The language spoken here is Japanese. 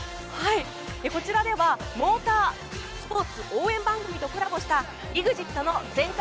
こちらではモータースポーツ応援番組とコラボしたＥＸＩＴの全開！！